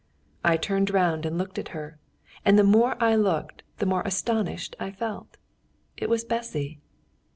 I turned round and looked at her, and the more I looked, the more astonished I felt. It was Bessy!